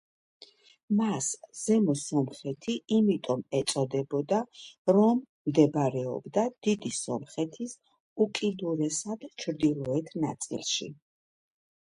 მას ზემო სომხეთი იმიტომ ეწოდებოდა, რომ მდებარეობდა დიდი სომხეთის უკიდურესად ჩრდილოეთ ნაწილში.